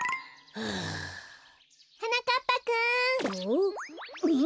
はなかっぱくん。